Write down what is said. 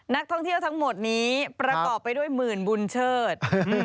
นักท่องเที่ยวทั้งหมดนี้ประกอบไปด้วยหมื่นบุญเชิด